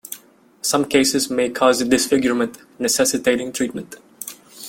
Some cases may cause disfigurement, necessitating treatment.